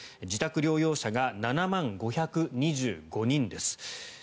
自宅療養者が７万５２５人です。